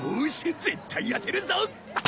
絶対当てるぞ！